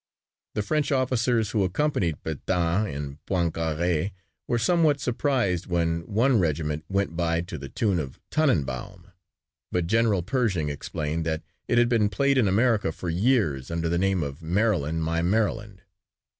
The French officers who accompanied Pétain and Poincaré were somewhat surprised when one regiment went by to the tune of "Tannenbaum," but General Pershing explained that it had been played in America for years under the name of "Maryland, My Maryland."